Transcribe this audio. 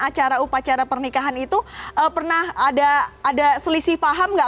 dan acara upacara pernikahan itu pernah ada selisih paham nggak